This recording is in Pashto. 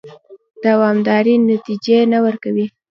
دوامدارې نتیجې نه ورکوي.